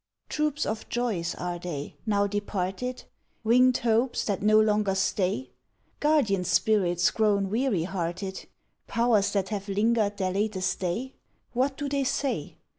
Troops of joys are they, now departed? Winged hopes that no longer stay? Guardian spirits grown weary hearted? Powers that have linger'd their latest day? What do they say?